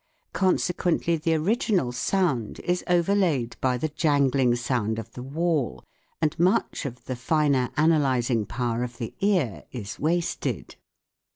Consequently the original sound is overlaid with the jangling sound of the wall, and much of the finer analysing power of the ear is wasted.